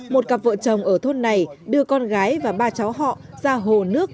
một cặp vợ chồng ở thôn này đưa con gái và ba cháu họ ra hồ nước